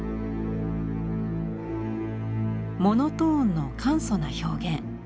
モノトーンの簡素な表現。